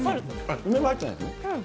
梅は入ってないですよね。